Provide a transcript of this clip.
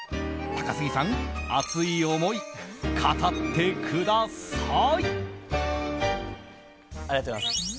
高杉さん、熱い思い語ってください。